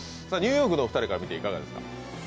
ニューヨークのお二人から見ていかがですか。